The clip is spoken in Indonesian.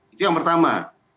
itu yang pertama